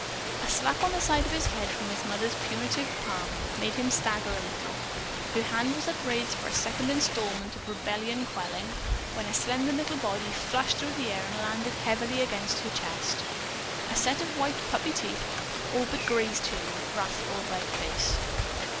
A slap on the side of his head, from his mother's punitive palm, made him stagger a little. Her hand was upraised for a second installment of rebellion quelling when a slender little body flashed through the air and landed heavily against her chest. A set of white puppy teeth all but grazed her wrathful red face.